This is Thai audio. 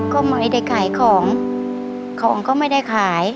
ก็ไม่ได้ขายของของก็ไม่ได้ขาย